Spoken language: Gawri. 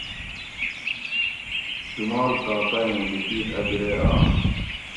جمال کاکہ ایں لِکیٹ اۤ بیرے آش